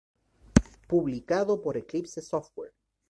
Publicado por Eclipse Software.